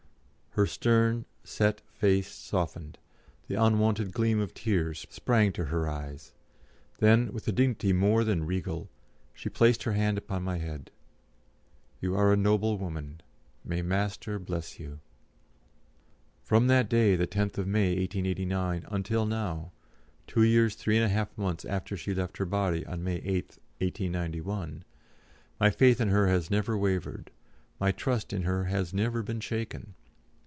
Her stern, set face softened, the unwonted gleam of tears sprang to her eyes; then, with a dignity more than regal, she placed her hand upon my head. "You are a noble woman. May Master bless you." From that day, the 10th of May, 1889, until now two years three and half months after she left her body on May 8, 1891 my faith in her has never wavered, my trust in her has never been shaken.